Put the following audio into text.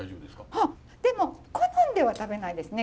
あっでも好んでは食べないですね。